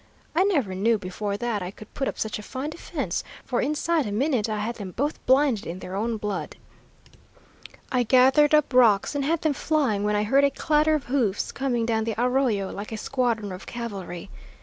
I never knew before that I could put up such a fine defense, for inside a minute I had them both blinded in their own blood. I gathered up rocks and had them flying when I heard a clatter of hoofs coming down the arroyo like a squadron of cavalry.